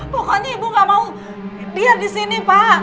pokoknya ibu gak mau dia di sini pak